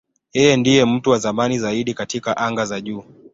Yeye ndiye mtu wa zamani zaidi katika anga za juu.